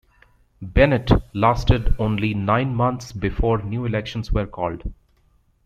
Bennett lasted only nine months before new elections were called.